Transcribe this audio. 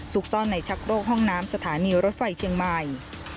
ซ่อนในชักโรคห้องน้ำสถานีรถไฟเชียงใหม่